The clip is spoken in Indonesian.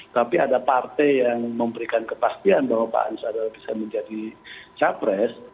tapi ada partai yang memberikan kepastian bahwa pak anies adalah bisa menjadi capres